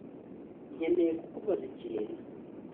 Nkeneye kukubaza ikintu